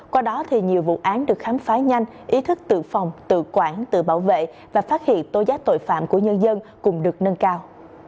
qua đó thì nhiều vụ án được khám phá nhanh ý thức tự phòng tự quản tự bảo vệ và phát hiện tố giác tội phạm của nhân dân cùng được nâng cao